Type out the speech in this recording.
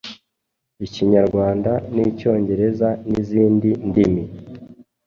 Ikinyarwanda n’Icyongereza nizindi ndimi